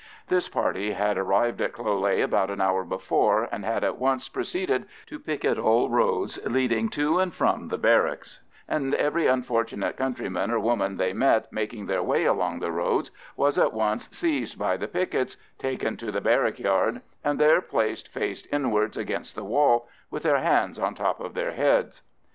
This party had arrived in Cloghleagh about an hour before, and had at once proceeded to picket all roads leading to and from the barracks, and every unfortunate countryman or woman they met making their way along the roads was at once seized by the pickets, taken to the barrack yard, and there placed face inwards against the wall with their hands on top of their heads.